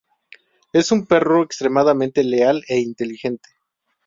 Es un perro extremadamente leal e inteligente.